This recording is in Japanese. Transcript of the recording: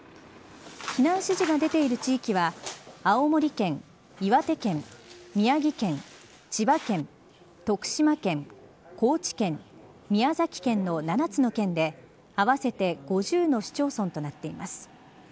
避難指示が出ている地域は青森県、岩手県宮城県、千葉県徳島県、高知県宮崎県の７つの県で合わせて５０の市町村となっています。